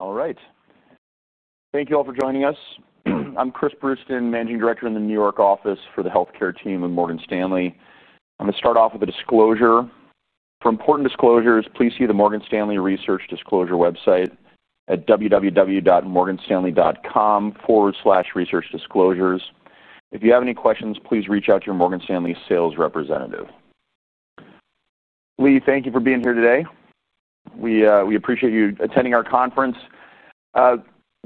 All right. Thank you all for joining us. I'm Chris Brewston, Managing Director in the New York office for the healthcare team of Morgan Stanley. I'm going to start off with a disclosure. For important disclosures, please see the Morgan Stanley Research Disclosure website at www.morganstanley.com/research-disclosures. If you have any questions, please reach out to your Morgan Stanley sales representative. Lee, thank you for being here today. We appreciate you attending our conference.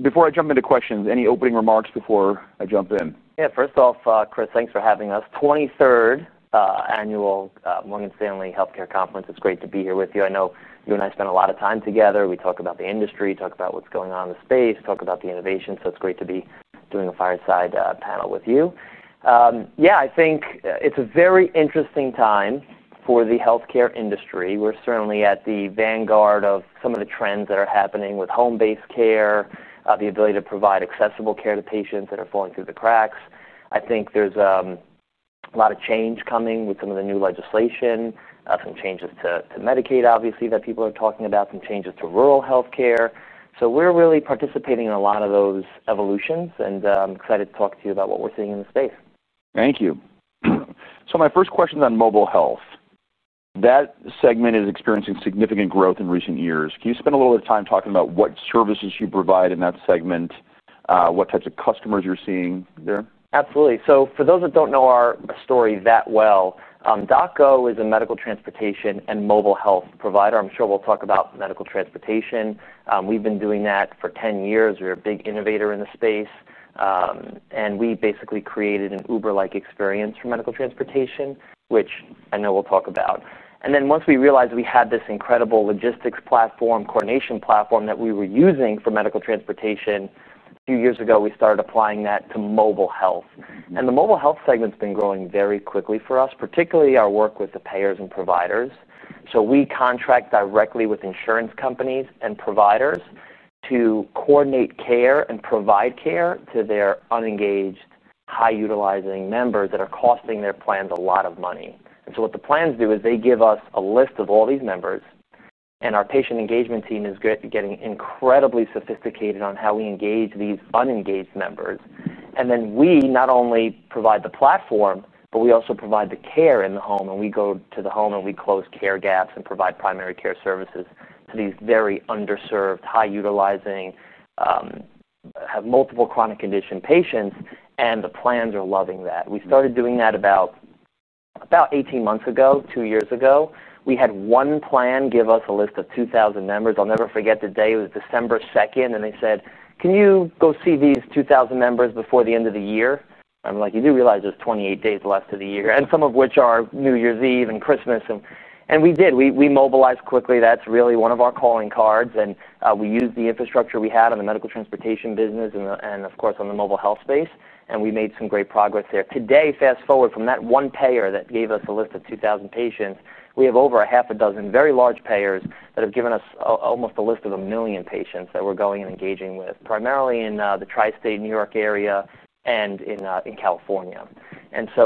Before I jump into questions, any opening remarks before I jump in? Yeah. First off, Chris, thanks for having us. 23rd annual Morgan Stanley Healthcare Conference. It's great to be here with you. I know you and I spent a lot of time together. We talked about the industry, talked about what's going on in the space, talked about the innovation. It's great to be doing a fireside panel with you. I think it's a very interesting time for the healthcare industry. We're certainly at the vanguard of some of the trends that are happening with home-based care, the ability to provide accessible care to patients that are falling through the cracks. I think there's a lot of change coming with some of the new legislation, some changes to Medicaid, obviously, that people are talking about, some changes to rural healthcare. We're really participating in a lot of those evolutions, and I'm excited to talk to you about what we're seeing in the space. Thank you. My first question is on mobile health. That segment is experiencing significant growth in recent years. Can you spend a little bit of time talking about what services you provide in that segment, what types of customers you're seeing there? Absolutely. For those that don't know our story that well, DocGo is a medical transportation and mobile health provider. I'm sure we'll talk about medical transportation. We've been doing that for 10 years. We're a big innovator in the space. We basically created an Uber-like experience for medical transportation, which I know we'll talk about. Once we realized we had this incredible logistics platform, coordination platform that we were using for medical transportation a few years ago, we started applying that to mobile health. The mobile health segment's been growing very quickly for us, particularly our work with the payers and providers. We contract directly with insurance companies and providers to coordinate care and provide care to their unengaged, high-utilizing members that are costing their plans a lot of money. What the plans do is they give us a list of all these members, and our patient engagement team is getting incredibly sophisticated on how we engage these unengaged members. We not only provide the platform, but we also provide the care in the home. We go to the home, and we close care gaps and provide primary care services to these very underserved, high-utilizing, have multiple chronic conditions patients. The plans are loving that. We started doing that about 18 months ago, two years ago. We had one plan give us a list of 2,000 members. I'll never forget the day. It was December 2, and they said, "Can you go see these 2,000 members before the end of the year?" I'm like, "You do realize there's 28 days left to the year, and some of which are New Year's Eve and Christmas." We did. We mobilized quickly. That's really one of our calling cards. We used the infrastructure we had on the medical transportation business and, of course, on the mobile health space. We made some great progress there. Today, fast forward from that one payer that gave us a list of 2,000 patients, we have over a half a dozen very large payers that have given us almost a list of a million patients that we're going and engaging with, primarily in the New York tri-state area and in California.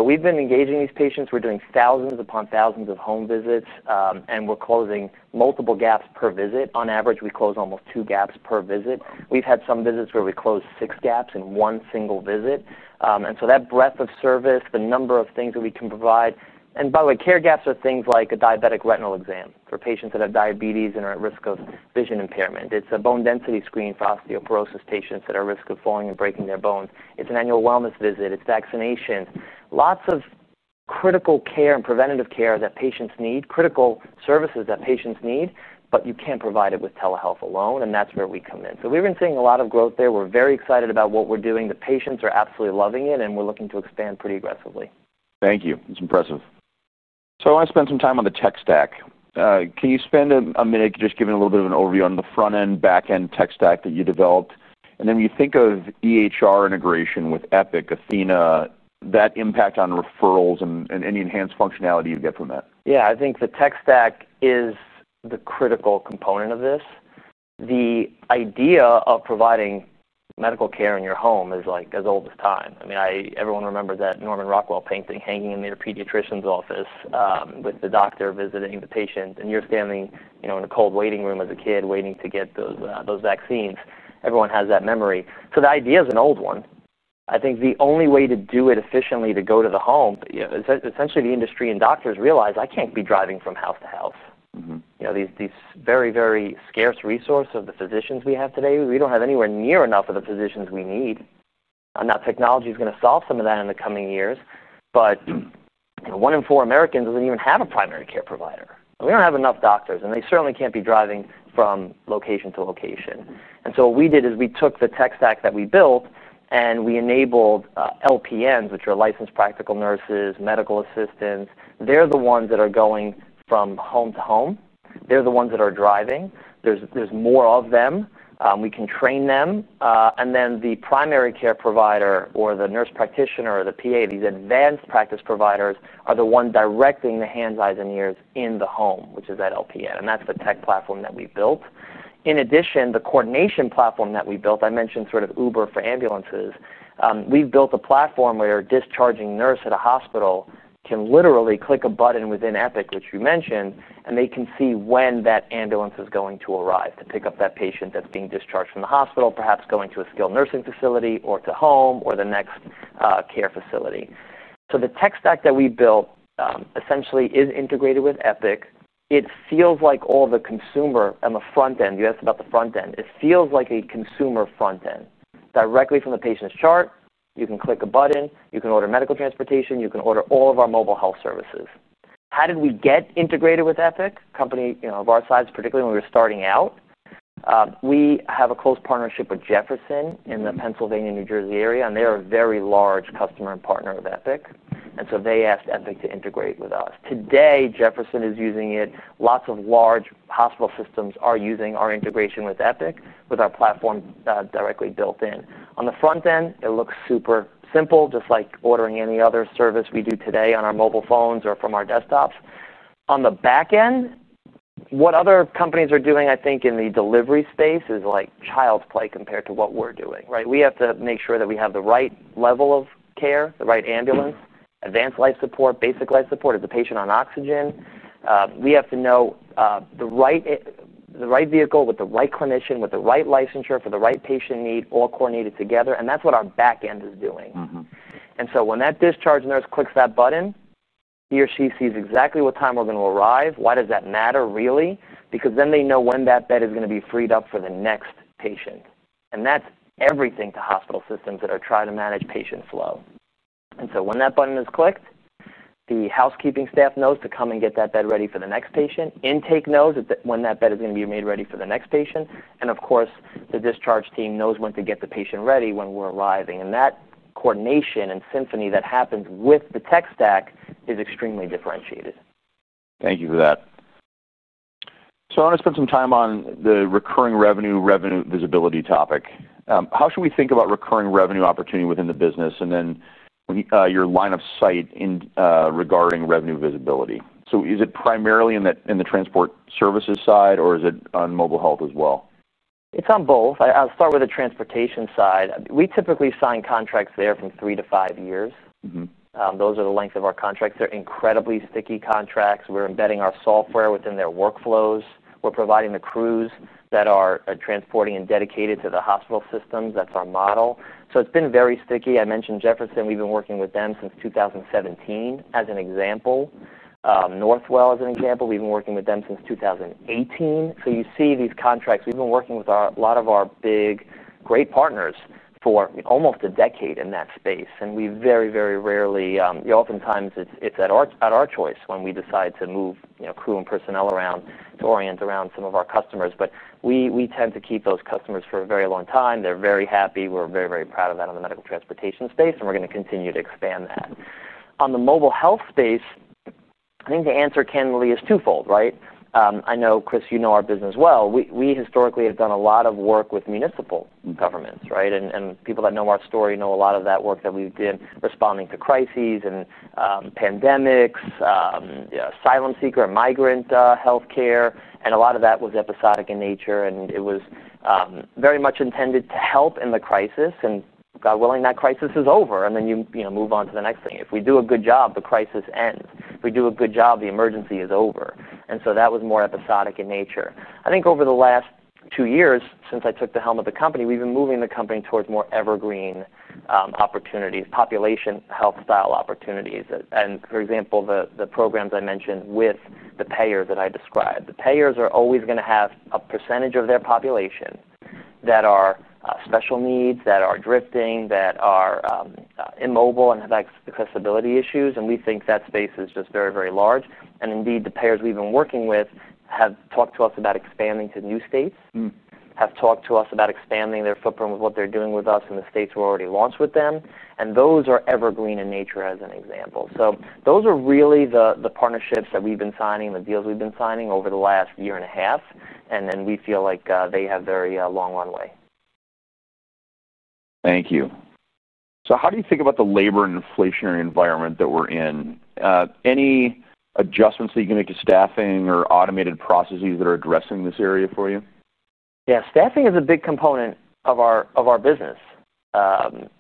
We've been engaging these patients. We're doing thousands upon thousands of home visits, and we're closing multiple gaps per visit. On average, we close almost two gaps per visit. We've had some visits where we closed six gaps in one single visit. That breadth of service, the number of things that we can provide, and by the way, care gaps are things like a diabetic retinal exam for patients that have diabetes and are at risk of vision impairment. It's a bone density screen for osteoporosis patients that are at risk of falling and breaking their bones. It's an annual wellness visit. It's vaccinations. Lots of critical care and preventative care that patients need, critical services that patients need, but you can't provide it with telehealth alone. That's where we come in. We've been seeing a lot of growth there. We're very excited about what we're doing. The patients are absolutely loving it, and we're looking to expand pretty aggressively. Thank you. It's impressive. I want to spend some time on the tech stack. Can you spend a minute just giving a little bit of an overview on the front-end, back-end tech stack that you developed? When you think of EHR integration with Epic, Athena, that impact on referrals and any enhanced functionality you get from that? Yeah, I think the tech stack is the critical component of this. The idea of providing medical care in your home is like as old as time. I mean, everyone remembers that Norman Rockwell painting hanging in the pediatrician's office with the doctor visiting the patient, and you're standing in a cold waiting room as a kid waiting to get those vaccines. Everyone has that memory. The idea is an old one. I think the only way to do it efficiently to go to the home, essentially the industry and doctors realize, "I can't be driving from house to house." These very, very scarce resources of the physicians we have today, we don't have anywhere near enough of the physicians we need. Now, technology is going to solve some of that in the coming years, but you know, one in four Americans doesn't even have a primary care provider. We don't have enough doctors, and they certainly can't be driving from location to location. What we did is we took the tech stack that we built, and we enabled LPNs, which are licensed practical nurses, medical assistants. They're the ones that are going from home to home. They're the ones that are driving. There's more of them. We can train them. The primary care provider or the nurse practitioner or the PA, these advanced practice providers are the ones directing the hands, eyes, and ears in the home, which is that LPN. That's the tech platform that we built. In addition, the coordination platform that we built, I mentioned sort of Uber for ambulances, we've built a platform where a discharging nurse at a hospital can literally click a button within Epic, which you mentioned, and they can see when that ambulance is going to arrive to pick up that patient that's being discharged from the hospital, perhaps going to a skilled nursing facility or to home or the next care facility. The tech stack that we built essentially is integrated with Epic. It feels like all the consumer and the front end. You asked about the front end. It feels like a consumer front end. Directly from the patient's chart, you can click a button. You can order medical transportation. You can order all of our mobile health services. How did we get integrated with Epic? A company of our size, particularly when we were starting out, we have a close partnership with Jefferson in the Pennsylvania, New Jersey area, and they're a very large customer and partner of Epic. They asked Epic to integrate with us. Today, Jefferson is using it. Lots of large hospital systems are using our integration with Epic with our platform directly built in. On the front end, it looks super simple, just like ordering any other service we do today on our mobile phones or from our desktops. On the back end, what other companies are doing, I think, in the delivery space is like child's play compared to what we're doing, right? We have to make sure that we have the right level of care, the right ambulance, advanced life support, basic life support. Is the patient on oxygen? We have to know the right vehicle with the right clinician, with the right licensure for the right patient need, all coordinated together. That's what our back end is doing. When that discharge nurse clicks that button, he or she sees exactly what time we're going to arrive. Why does that matter, really? Because then they know when that bed is going to be freed up for the next patient. That's everything to hospital systems that are trying to manage patient flow. When that button is clicked, the housekeeping staff knows to come and get that bed ready for the next patient. Intake knows when that bed is going to be made ready for the next patient. Of course, the discharge team knows when to get the patient ready when we're arriving. That coordination and symphony that happens with the tech stack is extremely differentiated. Thank you for that. I want to spend some time on the recurring revenue, revenue visibility topic. How should we think about recurring revenue opportunity within the business and then your line of sight regarding revenue visibility? Is it primarily in the transport services side, or is it on mobile health as well? It's on both. I'll start with the transportation side. We typically sign contracts there from three to five years. Those are the length of our contracts. They're incredibly sticky contracts. We're embedding our software within their workflows. We're providing the crews that are transporting and dedicated to the hospital systems. That's our model. It's been very sticky. I mentioned Jefferson. We've been working with them since 2017 as an example. Northwell is an example. We've been working with them since 2018. You see these contracts. We've been working with a lot of our big, great partners for almost a decade in that space. We very, very rarely, oftentimes, it's at our choice when we decide to move crew and personnel around to orient around some of our customers. We tend to keep those customers for a very long time. They're very happy. We're very, very proud of that in the medical transportation space. We're going to continue to expand that. On the mobile health space, I think the answer, Ken and Lee, is twofold, right? I know, Chris, you know our business well. We historically have done a lot of work with municipal governments, right? People that know our story know a lot of that work that we've been responding to crises and pandemics, asylum seeker, migrant healthcare. A lot of that was episodic in nature. It was very much intended to help in the crisis. God willing, that crisis is over. You move on to the next thing. If we do a good job, the crisis ends. If we do a good job, the emergency is over. That was more episodic in nature. I think over the last two years, since I took the helm of the company, we've been moving the company towards more evergreen opportunities, population health style opportunities. For example, the programs I mentioned with the payer that I described. The payers are always going to have a % of their population that are special needs, that are drifting, that are immobile, and have accessibility issues. We think that space is just very, very large. Indeed, the payers we've been working with have talked to us about expanding to new states, have talked to us about expanding their footprint with what they're doing with us in the states we're already launched with them. Those are evergreen in nature as an example. Those are really the partnerships that we've been signing, the deals we've been signing over the last year and a half. We feel like they have very long runway. Thank you. How do you think about the labor and inflationary environment that we're in? Any adjustments that you can make to staffing or automated processes that are addressing this area for you? Yeah, staffing is a big component of our business.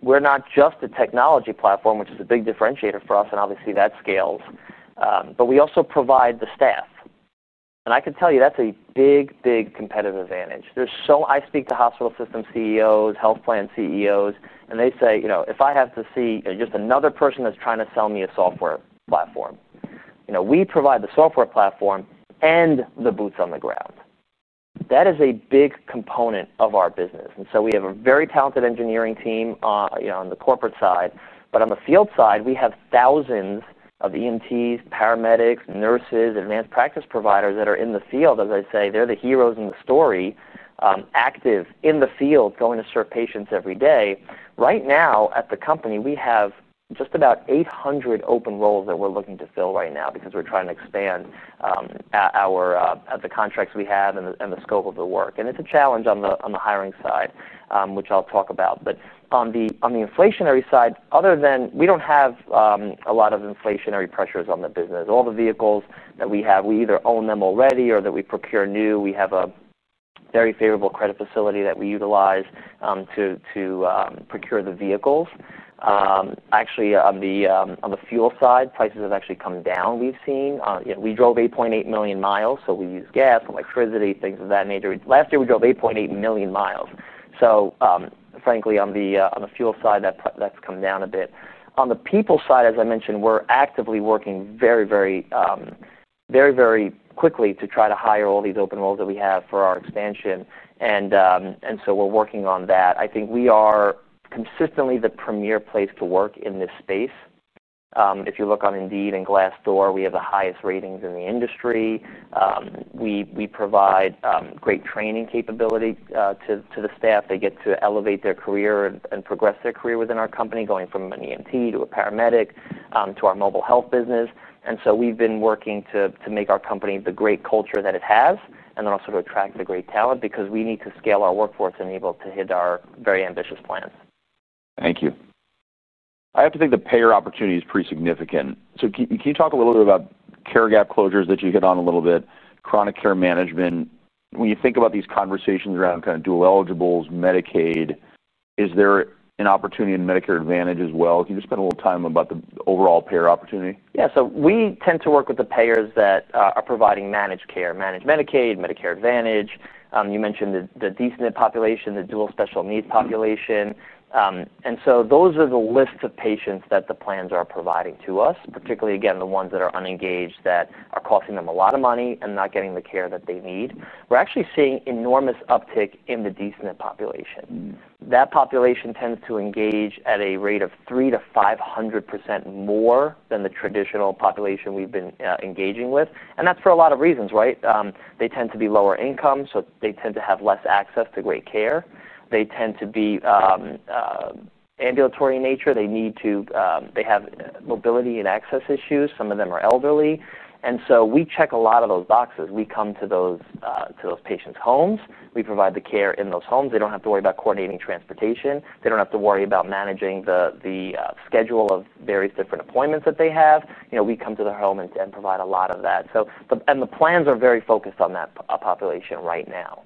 We're not just a technology platform, which is a big differentiator for us. Obviously, that scales, but we also provide the staff. I can tell you that's a big, big competitive advantage. I speak to hospital system CEOs, health plan CEOs, and they say, "You know, if I have to see just another person that's trying to sell me a software platform, you know, we provide the software platform and the boots on the ground." That is a big component of our business. We have a very talented engineering team on the corporate side. On the field side, we have thousands of EMTs, paramedics, nurses, advanced practice providers that are in the field. As I say, they're the heroes in the story, active in the field, going to serve patients every day. Right now at the company, we have just about 800 open roles that we're looking to fill right now because we're trying to expand the contracts we have and the scope of the work. It's a challenge on the hiring side, which I'll talk about. On the inflationary side, we don't have a lot of inflationary pressures on the business. All the vehicles that we have, we either own them already or we procure new. We have a very favorable credit facility that we utilize to procure the vehicles. Actually, on the fuel side, prices have actually come down. We've seen, you know, we drove 8.8 million miles. We use gas, electricity, things of that nature. Last year, we drove 8.8 million miles. Frankly, on the fuel side, that's come down a bit. On the people side, as I mentioned, we're actively working very, very, very, very quickly to try to hire all these open roles that we have for our expansion. We're working on that. I think we are consistently the premier place to work in this space. If you look on Indeed and Glassdoor, we have the highest ratings in the industry. We provide great training capability to the staff. They get to elevate their career and progress their career within our company, going from an EMT to a paramedic to our Mobile Health business. We've been working to make our company the great culture that it has, and also to attract the great talent because we need to scale our workforce and be able to hit our very ambitious plans. Thank you. I have to think the payer opportunity is pretty significant. Can you talk a little bit about care gap closure that you hit on a little bit, chronic care management? When you think about these conversations around kind of dual eligibles, Medicaid, is there an opportunity in Medicare Advantage as well? Can you just spend a little time about the overall payer opportunity? Yeah, so we tend to work with the payers that are providing managed care, managed Medicaid, Medicare Advantage. You mentioned the DSNP population, the dual special needs population. Those are the lists of patients that the plans are providing to us, particularly the ones that are unengaged, that are costing them a lot of money and not getting the care that they need. We're actually seeing enormous uptick in the DSNP population. That population tends to engage at a rate of 3% to 500% more than the traditional population we've been engaging with. That's for a lot of reasons, right? They tend to be lower income, so they tend to have less access to great care. They tend to be ambulatory in nature. They have mobility and access issues. Some of them are elderly. We check a lot of those boxes. We come to those patients' homes. We provide the care in those homes. They don't have to worry about coordinating transportation. They don't have to worry about managing the schedule of various different appointments that they have. We come to their home and provide a lot of that. The plans are very focused on that population right now.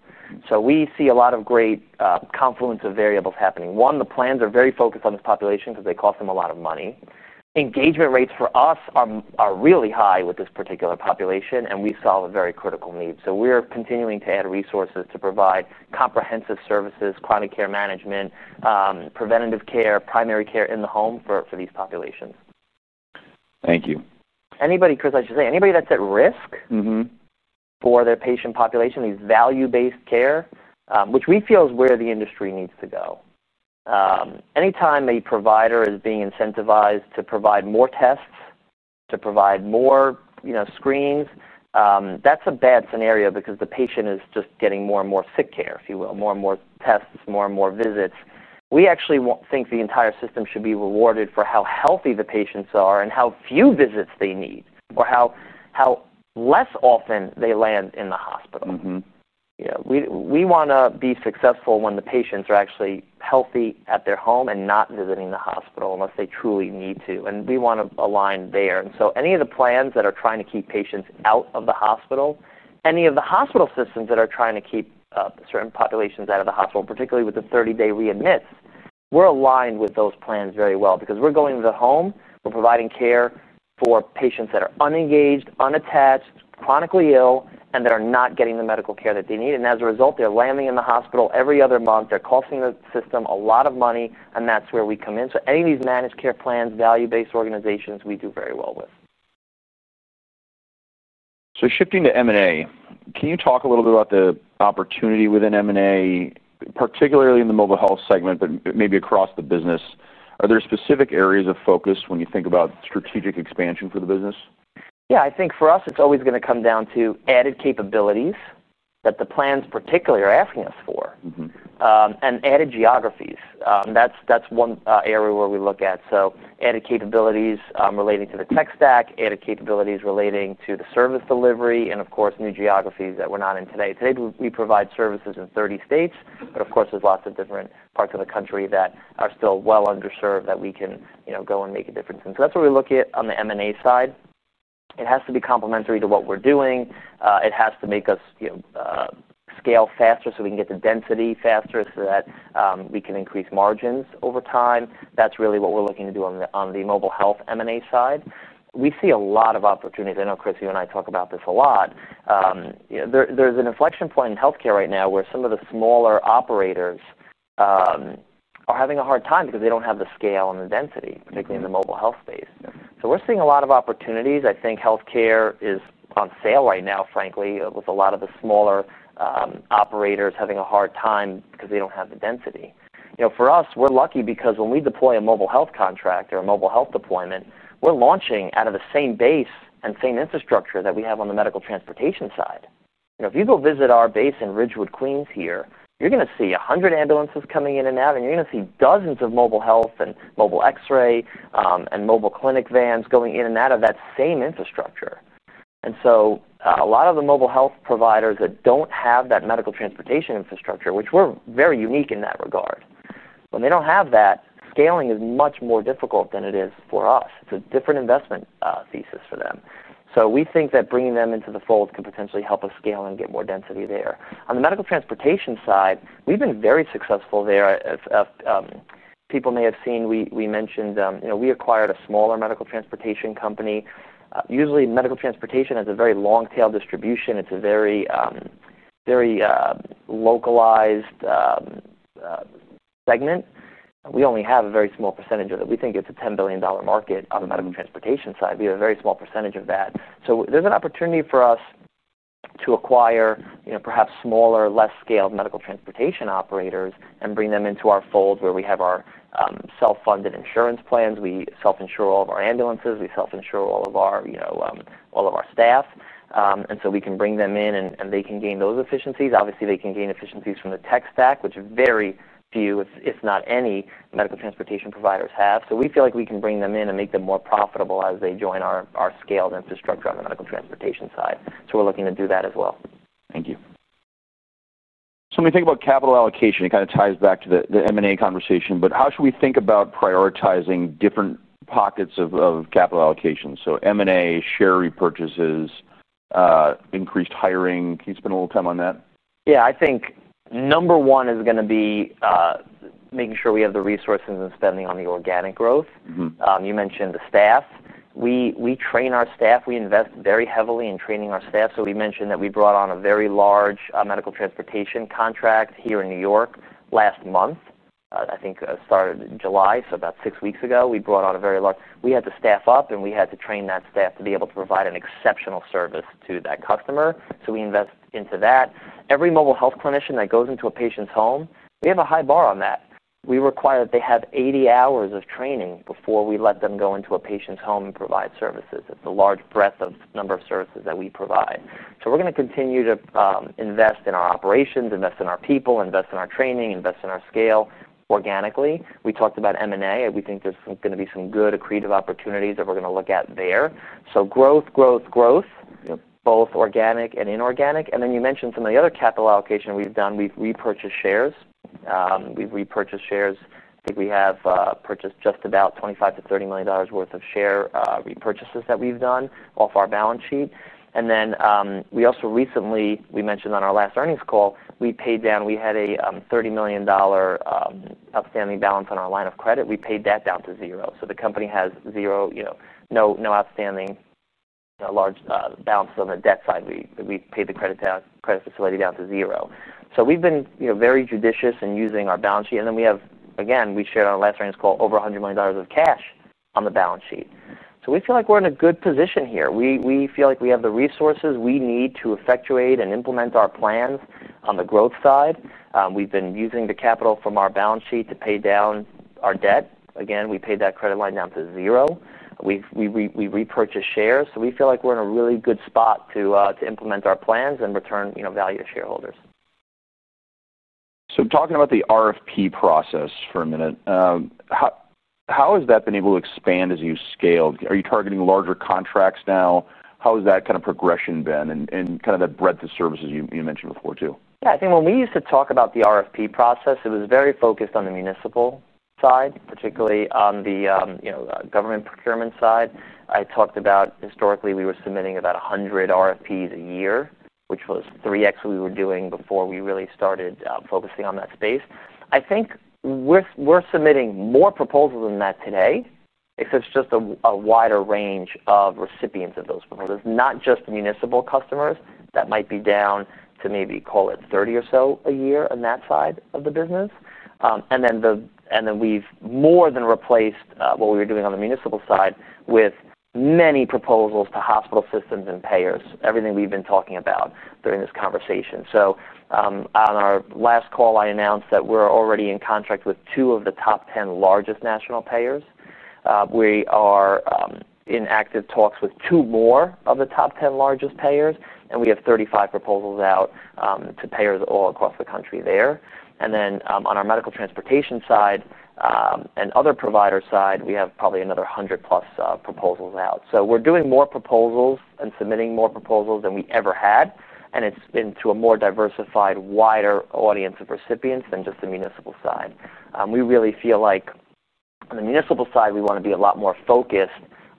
We see a lot of great confluence of variables happening. One, the plans are very focused on this population because they cost them a lot of money. Engagement rates for us are really high with this particular population, and we solve a very critical need. We're continuing to add resources to provide comprehensive services, chronic care management, preventative care, primary care in the home for these populations. Thank you. Anybody, Chris, I should say, anybody that's at risk for their patient population, these value-based care, which we feel is where the industry needs to go. Anytime a provider is being incentivized to provide more tests, to provide more screens, that's a bad scenario because the patient is just getting more and more sick care, if you will, more and more tests, more and more visits. We actually think the entire system should be rewarded for how healthy the patients are and how few visits they need or how less often they land in the hospital. We want to be successful when the patients are actually healthy at their home and not visiting the hospital unless they truly need to. We want to align there. Any of the plans that are trying to keep patients out of the hospital, any of the hospital systems that are trying to keep certain populations out of the hospital, and particularly with the 30-day readmits, we're aligned with those plans very well because we're going to the home. We're providing care for patients that are unengaged, unattached, chronically ill, and that are not getting the medical care that they need. As a result, they're landing in the hospital every other month. They're costing the system a lot of money. That's where we come in. Any of these managed care plans, value-based organizations, we do very well with. Shifting to M&A, can you talk a little bit about the opportunity within M&A, particularly in the mobile health segment, but maybe across the business? Are there specific areas of focus when you think about strategic expansion for the business? Yeah, I think for us, it's always going to come down to added capabilities that the plans particularly are asking us for and added geographies. That's one area where we look at. Added capabilities relating to the tech stack, added capabilities relating to the service delivery, and of course, new geographies that we're not in today. Today, we provide services in 30 states, but of course, there are lots of different parts of the country that are still well underserved that we can go and make a difference. That's where we look at on the M&A side. It has to be complementary to what we're doing. It has to make us scale faster so we can get the density faster so that we can increase margins over time. That's really what we're looking to do on the mobile health M&A side. We see a lot of opportunities. I know, Chris, you and I talk about this a lot. There's an inflection point in healthcare right now where some of the smaller operators are having a hard time because they don't have the scale and the density, particularly in the mobile health space. We're seeing a lot of opportunities. I think healthcare is on sale right now, frankly, with a lot of the smaller operators having a hard time because they don't have the density. For us, we're lucky because when we deploy a mobile health contract or a mobile health deployment, we're launching out of the same base and same infrastructure that we have on the medical transportation side. If you go visit our base in Ridgewood, Queens here, you're going to see 100 ambulances coming in and out, and you're going to see dozens of mobile health and mobile X-ray and mobile clinic vans going in and out of that same infrastructure. A lot of the mobile health providers that don't have that medical transportation infrastructure, which we're very unique in that regard, when they don't have that, scaling is much more difficult than it is for us. It's a different investment thesis for them. We think that bringing them into the fold could potentially help us scale and get more density there. On the medical transportation side, we've been very successful there. People may have seen we mentioned, you know, we acquired a smaller medical transportation company. Usually, medical transportation has a very long-tail distribution. It's a very localized segment. We only have a very small percentage of it. We think it's a $10 billion market on the medical transportation side. We have a very small % of that. There's an opportunity for us to acquire, you know, perhaps smaller, less scaled medical transportation operators and bring them into our fold where we have our self-funded insurance plans. We self-insure all of our ambulances. We self-insure all of our staff. We can bring them in, and they can gain those efficiencies. Obviously, they can gain efficiencies from the tech stack, which very few, if any, medical transportation providers have. We feel like we can bring them in and make them more profitable as they join our scaled infrastructure on the medical transportation side. We're looking to do that as well. Thank you. When we think about capital allocation, it kind of ties back to the M&A conversation, but how should we think about prioritizing different pockets of capital allocation? M&A, share repurchases, increased hiring. Can you spend a little time on that? Yeah, I think number one is going to be making sure we have the resources and spending on the organic growth. You mentioned the staff. We train our staff. We invest very heavily in training our staff. We mentioned that we brought on a very large Medical Transportation contract here in New York last month. I think it started in July, so about six weeks ago. We brought on a very large, we had to staff up, and we had to train that staff to be able to provide an exceptional service to that customer. We invest into that. Every Mobile Health clinician that goes into a patient's home, we have a high bar on that. We require that they have 80 hours of training before we let them go into a patient's home and provide services. It's a large breadth of number of services that we provide. We're going to continue to invest in our operations, invest in our people, invest in our training, invest in our scale organically. We talked about M&A. We think there's going to be some good, creative opportunities that we're going to look at there. Growth, growth, growth, both organic and inorganic. You mentioned some of the other capital allocation we've done. We've repurchased shares. We've repurchased shares. I think we have purchased just about $25 to $30 million worth of share repurchases that we've done off our balance sheet. We also recently, we mentioned on our last earnings call, we paid down, we had a $30 million outstanding balance on our line of credit. We paid that down to zero. The company has zero, you know, no outstanding, no large balance on the debt side. We paid the credit facility down to zero. We've been very judicious in using our balance sheet. We have, again, we shared on our last earnings call over $100 million of cash on the balance sheet. We feel like we're in a good position here. We feel like we have the resources we need to effectuate and implement our plans on the growth side. We've been using the capital from our balance sheet to pay down our debt. Again, we paid that credit line down to zero. We repurchased shares. We feel like we're in a really good spot to implement our plans and return value to shareholders. Talking about the RFP process for a minute, how has that been able to expand as you scaled? Are you targeting larger contracts now? How has that kind of progression been and that breadth of services you mentioned before too? Yeah, I think when we used to talk about the RFP process, it was very focused on the municipal side, particularly on the government procurement side. I talked about historically, we were submitting about 100 RFPs a year, which was 3x what we were doing before we really started focusing on that space. I think we're submitting more proposals than that today, except it's just a wider range of recipients of those proposals. It's not just the municipal customers that might be down to maybe call it 30 or so a year on that side of the business. We've more than replaced what we were doing on the municipal side with many proposals to hospital systems and payers, everything we've been talking about during this conversation. On our last call, I announced that we're already in contract with two of the top 10 largest national payers. We are in active talks with two more of the top 10 largest payers, and we have 35 proposals out to payers all across the country there. On our medical transportation side and other provider side, we have probably another 100 plus proposals out. We're doing more proposals and submitting more proposals than we ever had, and it's been to a more diversified, wider audience of recipients than just the municipal side. We really feel like on the municipal side, we want to be a lot more focused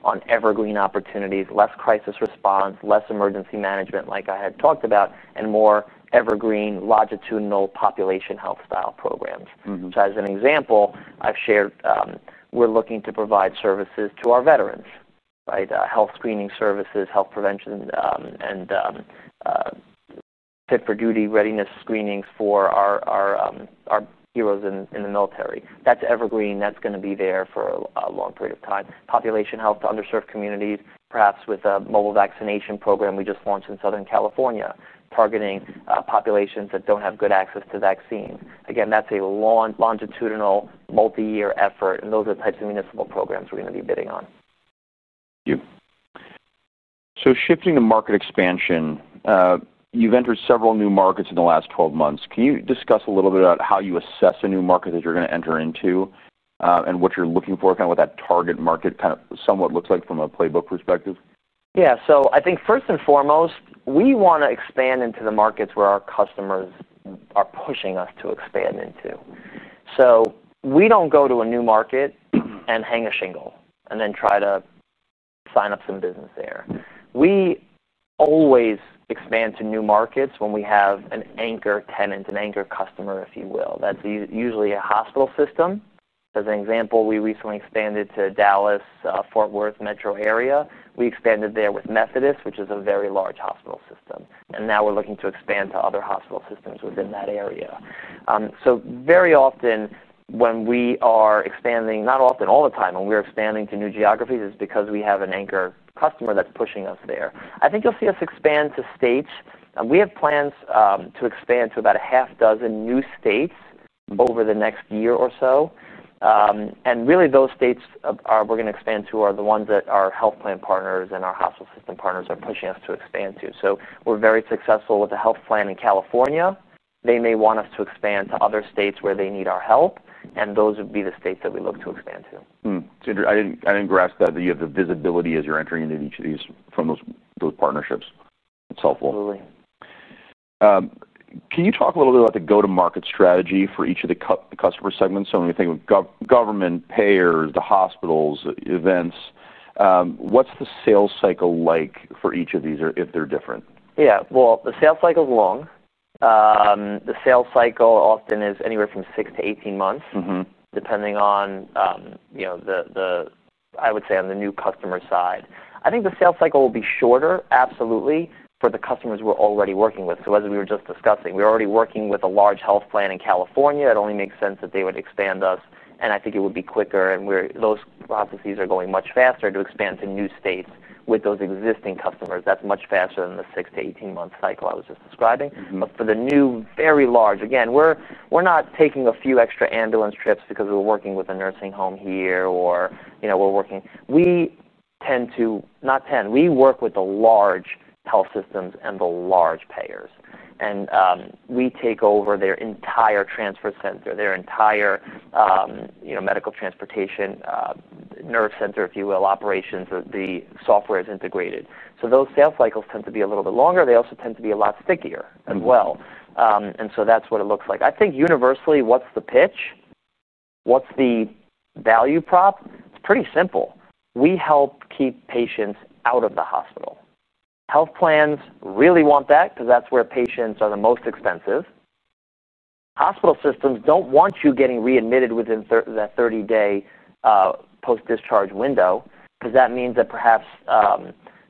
on evergreen opportunities, less crisis response, less emergency management like I had talked about, and more evergreen longitudinal population health style programs. As an example, I've shared we're looking to provide services to our veterans, right? Health screening services, health prevention, and fit for duty readiness screenings for our heroes in the military. That's evergreen. That's going to be there for a long period of time. Population health to underserved communities, perhaps with a mobile vaccination program we just launched in Southern California, targeting populations that don't have good access to vaccine. Again, that's a longitudinal multi-year effort. Those are the types of municipal programs we're going to be bidding on. Shifting to market expansion, you've entered several new markets in the last 12 months. Can you discuss a little bit about how you assess a new market that you're going to enter into and what you're looking for, kind of what that target market kind of somewhat looks like from a playbook perspective? Yeah, I think first and foremost, we want to expand into the markets where our customers are pushing us to expand into. We don't go to a new market and hang a shingle and then try to sign up some business there. We always expand to new markets when we have an anchor tenant, an anchor customer, if you will. That's usually a hospital system. As an example, we recently expanded to Dallas-Fort Worth metro area. We expanded there with Methodist, which is a very large hospital system. Now we're looking to expand to other hospital systems within that area. Very often when we are expanding, not often, all the time when we're expanding to new geographies, it's because we have an anchor customer that's pushing us there. I think you'll see us expand to states. We have plans to expand to about a half dozen new states over the next year or so. Really, those states we're going to expand to are the ones that our health plan partners and our hospital system partners are pushing us to expand to. We're very successful with the health plan in California. They may want us to expand to other states where they need our help. Those would be the states that we look to expand to. I didn't grasp that you have the visibility as you're entering into each of these from those partnerships. It's helpful. Absolutely. Can you talk a little bit about the go-to-market strategy for each of the customer segments? When we think of government, payers, the hospitals, events, what's the sales cycle like for each of these if they're different? Yeah, the sales cycle is long. The sales cycle often is anywhere from 6 to 18 months, depending on, you know, I would say on the new customer side. I think the sales cycle will be shorter, absolutely, for the customers we're already working with. As we were just discussing, we're already working with a large health plan in California. It only makes sense that they would expand us. I think it would be quicker, and those processes are going much faster to expand to new states with those existing customers. That's much faster than the 6 to 18 month cycle I was just describing. For the new, very large, again, we're not taking a few extra ambulance trips because we're working with a nursing home here or, you know, we're working. We tend to, not tend, we work with the large health systems and the large payers. We take over their entire transfer center, their entire, you know, medical transportation nerve center, if you will, operations. The software is integrated. Those sales cycles tend to be a little bit longer. They also tend to be a lot stickier as well. That's what it looks like. I think universally, what's the pitch? What's the value prop? It's pretty simple. We help keep patients out of the hospital. Health plans really want that because that's where patients are the most expensive. Hospital systems don't want you getting readmitted within that 30-day post-discharge window because that means that perhaps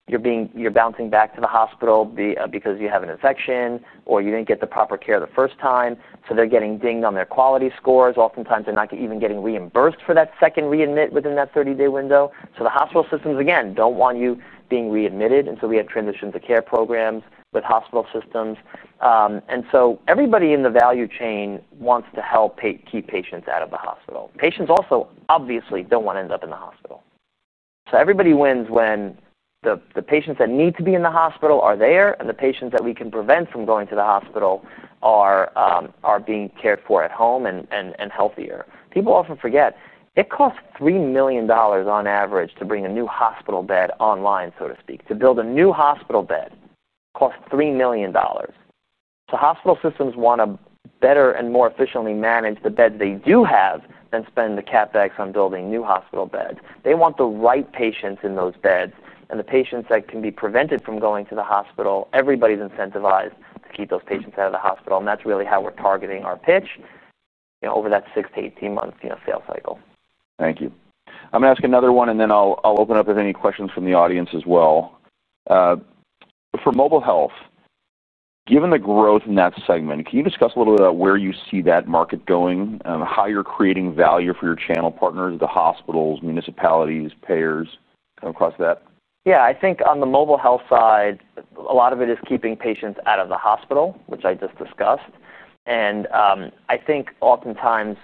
you're bouncing back to the hospital because you have an infection or you didn't get the proper care the first time. They're getting dinged on their quality scores. Oftentimes, they're not even getting reimbursed for that second readmit within that 30-day window. The hospital systems, again, don't want you being readmitted. We have transitioned to care programs with hospital systems. Everybody in the value chain wants to help keep patients out of the hospital. Patients also obviously don't want to end up in the hospital. Everybody wins when the patients that need to be in the hospital are there, and the patients that we can prevent from going to the hospital are being cared for at home and healthier. People often forget, it costs $3 million on average to bring a new hospital bed online, so to speak. To build a new hospital bed costs $3 million. Hospital systems want to better and more efficiently manage the bed they do have than spend the CapEx on building new hospital beds. They want the right patients in those beds. The patients that can be prevented from going to the hospital, everybody's incentivized to keep those patients out of the hospital. That's really how we're targeting our pitch over that 6 to 18-month sales cycle. Thank you. I'm going to ask another one, and then I'll open it up to any questions from the audience as well. For Mobile Health, given the growth in that segment, can you discuss a little bit about where you see that market going, how you're creating value for your channel partners, the hospitals, municipalities, payers, across that? Yeah, I think on the Mobile Health side, a lot of it is keeping patients out of the hospital, which I just discussed. I think oftentimes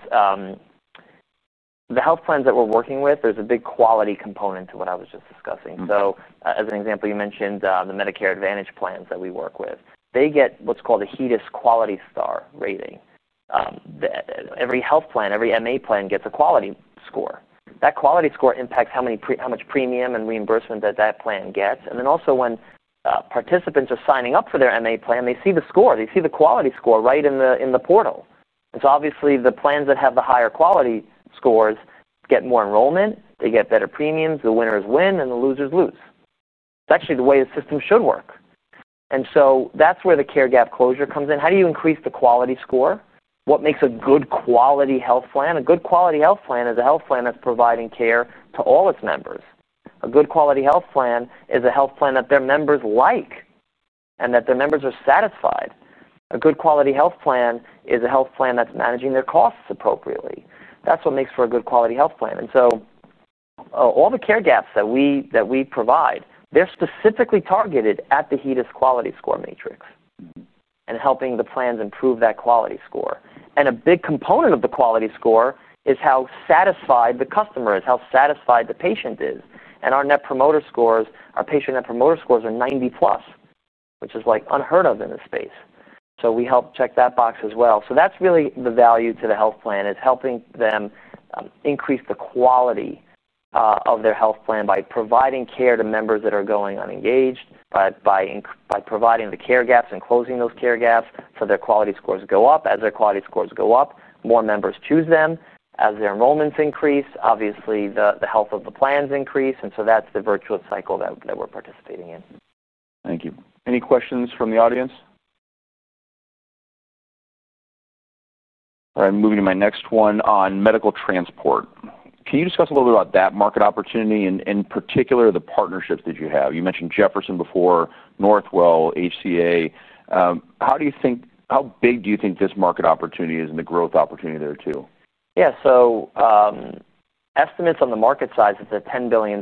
the health plans that we're working with, there's a big quality component to what I was just discussing. For example, you mentioned the Medicare Advantage plans that we work with. They get what's called a HEDIS/Star rating. Every health plan, every MA plan gets a quality score. That quality score impacts how much premium and reimbursement that plan gets. Also, when participants are signing up for their MA plan, they see the score. They see the quality score right in the portal. Obviously, the plans that have the higher quality scores get more enrollment. They get better premiums. The winners win and the losers lose. It's actually the way the system should work. That's where the care gap closure comes in. How do you increase the quality score? What makes a good quality health plan? A good quality health plan is a health plan that's providing care to all its members. A good quality health plan is a health plan that their members like and that their members are satisfied. A good quality health plan is a health plan that's managing their costs appropriately. That's what makes for a good quality health plan. All the care gaps that we provide, they're specifically targeted at the HEDIS/Star ratings matrix and helping the plans improve that quality score. A big component of the quality score is how satisfied the customer is, how satisfied the patient is. Our Net Promoter Scores, our patient Net Promoter Scores are 90+, which is like unheard of in this space. We help check that box as well. That's really the value to the health plan, helping them increase the quality of their health plan by providing care to members that are going unengaged, by providing the care gaps and closing those care gaps so their quality scores go up. As their quality scores go up, more members choose them. As their enrollments increase, obviously, the health of the plans increase. That's the virtuous cycle that we're participating in. Thank you. Any questions from the audience? All right, I'm moving to my next one on Medical Transportation. Can you discuss a little bit about that market opportunity and in particular the partnerships that you have? You mentioned Jefferson before, Northwell, HCA. How do you think, how big do you think this market opportunity is and the growth opportunity there too? Yeah, so estimates on the market size, it's a $10 billion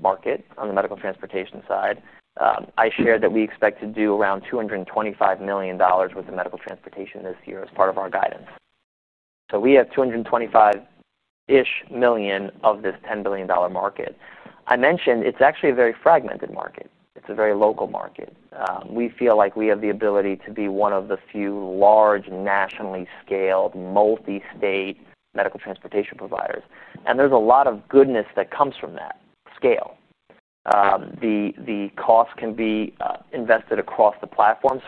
market on the Medical Transportation side. I shared that we expect to do around $225 million worth of Medical Transportation this year as part of our guidance. We have $225 million-ish of this $10 billion market. I mentioned it's actually a very fragmented market. It's a very local market. We feel like we have the ability to be one of the few large, nationally scaled, multi-state Medical Transportation providers. There's a lot of goodness that comes from that scale. The cost can be invested across the platform.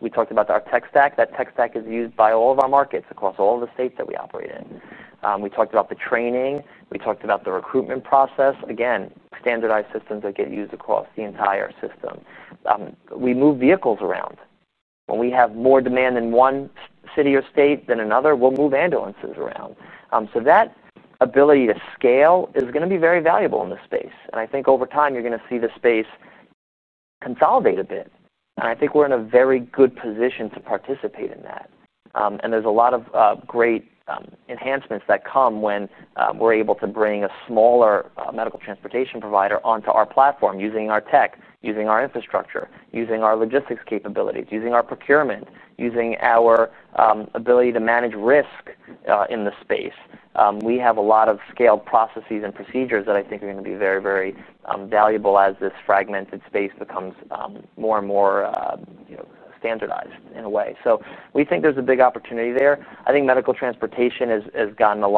We talked about our tech stack. That tech stack is used by all of our markets across all of the states that we operate in. We talked about the training. We talked about the recruitment process. Again, standardized systems that get used across the entire system. We move vehicles around. When we have more demand in one city or state than another, we'll move ambulances around. That ability to scale is going to be very valuable in this space. I think over time, you're going to see the space consolidate a bit. I think we're in a very good position to participate in that. There's a lot of great enhancements that come when we're able to bring a smaller Medical Transportation provider onto our platform using our tech, using our infrastructure, using our logistics capabilities, using our procurement, using our ability to manage risk in the space. We have a lot of scaled processes and procedures that I think are going to be very, very valuable as this fragmented space becomes more and more standardized in a way. We think there's a big opportunity there. I think Medical Transportation has gotten a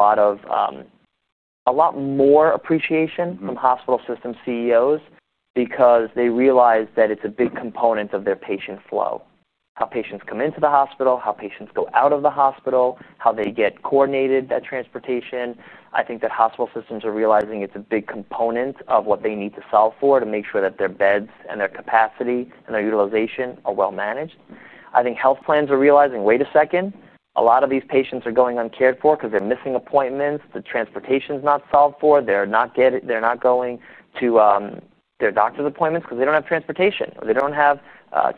lot more appreciation from hospital system CEOs because they realize that it's a big component of their patient flow, how patients come into the hospital, how patients go out of the hospital, how they get coordinated that transportation. I think that hospital systems are realizing it's a big component of what they need to solve for to make sure that their beds and their capacity and their utilization are well managed. I think health plans are realizing, wait a second, a lot of these patients are going uncared for because they're missing appointments. The transportation is not solved for. They're not going to their doctor's appointments because they don't have transportation or they don't have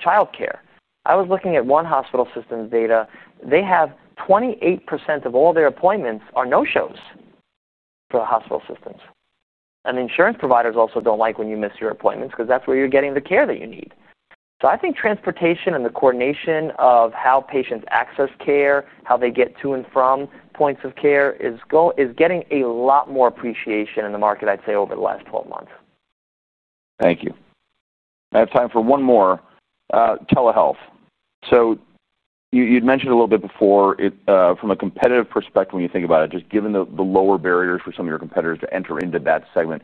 childcare. I was looking at one hospital system's data. They have 28% of all their appointments are no-shows for the hospital systems. The insurance providers also don't like when you miss your appointments because that's where you're getting the care that you need. I think transportation and the coordination of how patients access care, how they get to and from points of care is getting a lot more appreciation in the market, I'd say, over the last 12 months. Thank you. I have time for one more. Telehealth. You'd mentioned a little bit before from a competitive perspective when you think about it, just given the lower barriers for some of your competitors to enter into that segment.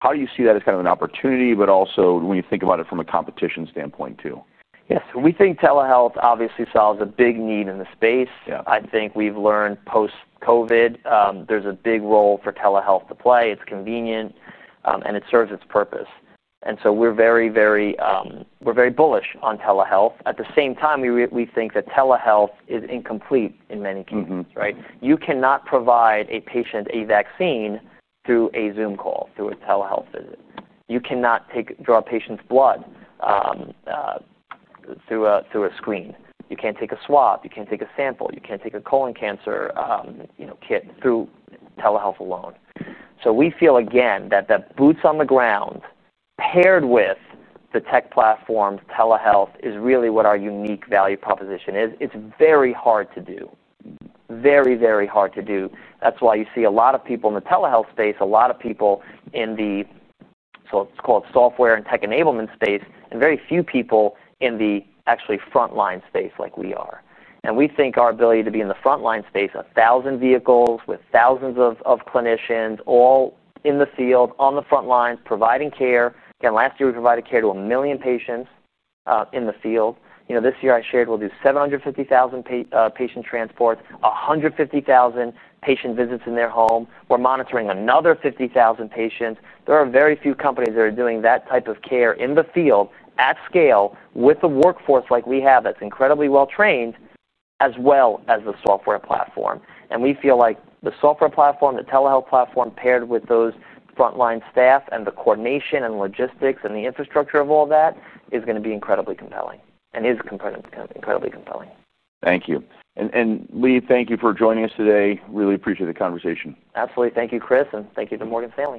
How do you see that as kind of an opportunity, but also when you think about it from a competition standpoint too? Yeah, so we think telehealth obviously solves a big need in the space. I think we've learned post-COVID, there's a big role for telehealth to play. It's convenient, and it serves its purpose. We're very, very bullish on telehealth. At the same time, we think that telehealth is incomplete in many cases, right? You cannot provide a patient a vaccine through a Zoom call, through a telehealth visit. You cannot draw a patient's blood through a screen. You can't take a swab. You can't take a sample. You can't take a colon cancer kit through telehealth alone. We feel, again, that that boots on the ground paired with the tech platforms, telehealth is really what our unique value proposition is. It's very hard to do, very, very hard to do. That's why you see a lot of people in the telehealth space, a lot of people in the, so it's called software and tech enablement space, and very few people in the actually frontline space like we are. We think our ability to be in the frontline space, a thousand vehicles with thousands of clinicians all in the field on the front lines providing care. Again, last year we provided care to a million patients in the field. This year I shared we'll do 750,000 patient transports, 150,000 patient visits in their home. We're monitoring another 50,000 patients. There are very few companies that are doing that type of care in the field at scale with a workforce like we have that's incredibly well trained as well as the software platform. We feel like the software platform, the telehealth platform paired with those frontline staff and the coordination and logistics and the infrastructure of all that is going to be incredibly compelling and is incredibly compelling. Thank you. Lee, thank you for joining us today. Really appreciate the conversation. Absolutely. Thank you, Chris, and thank you to Morgan Stanley.